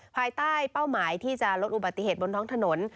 ภายใต้เป้าหมายที่จะลดอุบัติเหตุบนท้องถนน